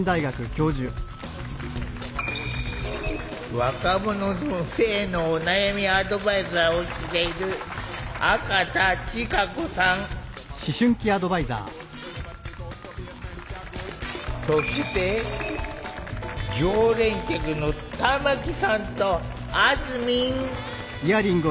若者の性のお悩みアドバイザーをしているそして常連客の玉木さんとあずみん。